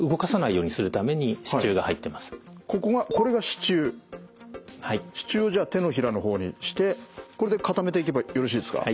支柱をじゃあ手のひらの方にしてこれで固めていけばよろしいですか？